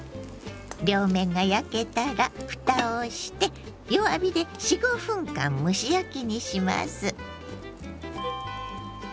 両面が焼けたらふたをして弱火で４５分間蒸し焼きにします。